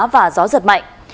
và gió giật mạnh